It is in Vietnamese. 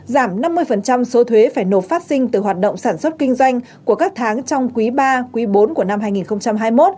giảm năm mươi số thuế phải nộp phát sinh từ hoạt động sản xuất kinh doanh của các tháng trong quý ba quý bốn của năm hai nghìn hai mươi một